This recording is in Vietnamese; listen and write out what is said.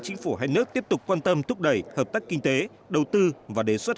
chính phủ hai nước tiếp tục quan tâm thúc đẩy hợp tác kinh tế đầu tư và đề xuất